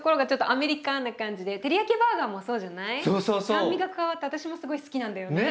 酸味が加わって私もすごい好きなんだよね。